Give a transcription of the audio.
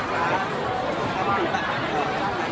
การรับความรักมันเป็นอย่างไร